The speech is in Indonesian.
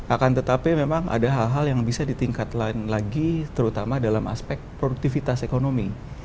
akan tetapi memang ada hal hal yang bisa ditingkatkan lagi terutama dalam aspek produktivitas ekonomi